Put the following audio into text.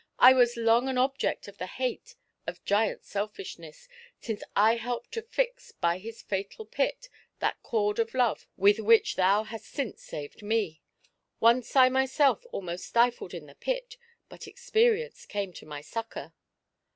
" I was long an object of the hate of Giant Selfishness, since I helped to fix by his fatal pit that cord of Love with which thou hast since saved me. Once wa^j I myself almost stifled in the pit, but Experience came to my succour."